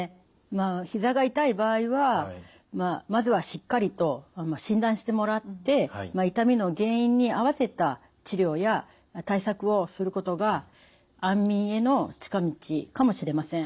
ひざが痛い場合はまずはしっかりと診断してもらって痛みの原因に合わせた治療や対策をすることが安眠への近道かもしれません。